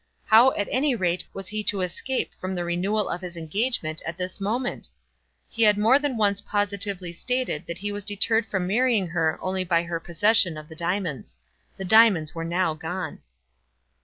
How, at any rate, was he to escape from the renewal of his engagement at this moment? He had more than once positively stated that he was deterred from marrying her only by her possession of the diamonds. The diamonds were now gone.